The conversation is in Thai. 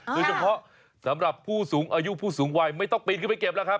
โดยเฉพาะสำหรับผู้สูงอายุผู้สูงวัยไม่ต้องปีนขึ้นไปเก็บแล้วครับ